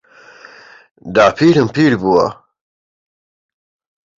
داپیرم پیر بووە.